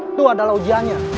itu adalah ujiannya